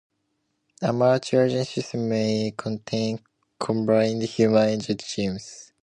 A multi-agent system may contain combined human-agent teams.